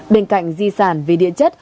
bên cạnh di sản về điện chất